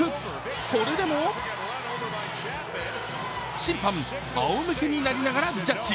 それでも審判、あおむけになりながらジャッジ。